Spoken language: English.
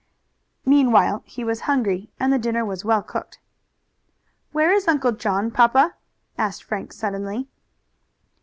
Meanwhile he was hungry and the dinner was well cooked. "Where is Uncle John, papa?" asked Frank suddenly.